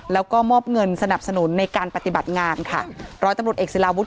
แล้วก็มอบเงินสนับสนุนการปฏิบัติงานค่ะ